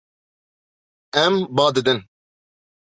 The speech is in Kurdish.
Em ba didin.